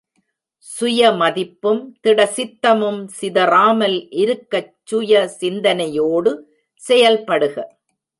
சுயமதிப்பும் திடசித்தமும் சிதறாமல் இருக்கச் சுய சிந்தனையோடு செயல்படுக.